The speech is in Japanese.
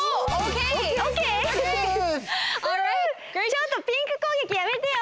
ちょっとピンクこうげきやめてよ！